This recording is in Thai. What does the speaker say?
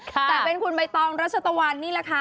แต่เป็นคุณใบตองรัชตะวันนี่แหละค่ะ